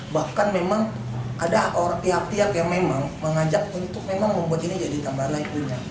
bahkan memang ada pihak pihak yang memang mengajak untuk memang membuat ini jadi tambahan